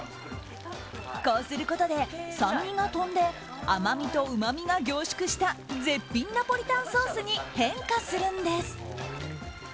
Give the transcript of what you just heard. こうすることで、酸味が飛んで甘みとうまみが凝縮した絶品ナポリタンソースに変化するんです。